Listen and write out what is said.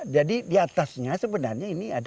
jadi di atasnya sebenarnya ini ada